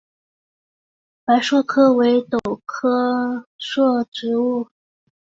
白栎为壳斗科栎属的植物。